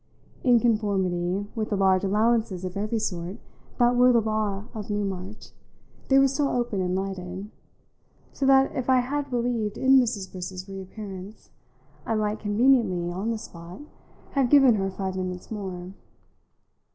In conformity with the large allowances of every sort that were the law of Newmarch, they were still open and lighted, so that if I had believed in Mrs. Briss's reappearance I might conveniently, on the spot, have given her five minutes more.